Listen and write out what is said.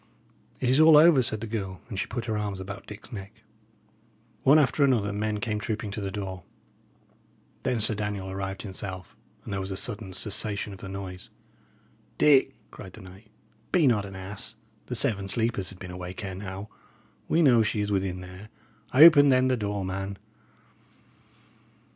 "It is all over," said the girl; and she put her arms about Dick's neck. One after another, men came trooping to the door. Then Sir Daniel arrived himself, and there was a sudden cessation of the noise. "Dick," cried the knight, "be not an ass. The Seven Sleepers had been awake ere now. We know she is within there. Open, then, the door, man."